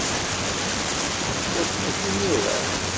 Adfet imir-a.